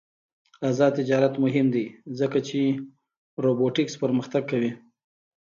آزاد تجارت مهم دی ځکه چې روبوټکس پرمختګ کوي.